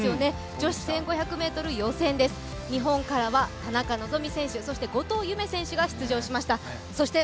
女子１５００ｍ予選です、日本からは田中希実選手、そして後藤夢選手が出場しました。